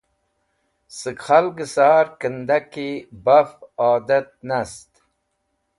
Sẽk khalgẽ sar kẽndaki baf adat nast.